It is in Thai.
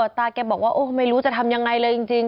คุณตาอาแกบอกว่าไม่รู้จะทำยังไงเลยจริง